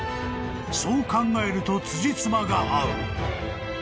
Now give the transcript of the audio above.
［そう考えるとつじつまが合う］